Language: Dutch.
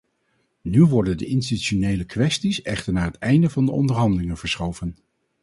Nu worden de institutionele kwesties echter naar het einde van de onderhandelingen verschoven.